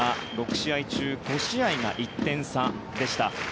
６試合中５試合が１点差でした。